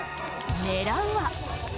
狙うは。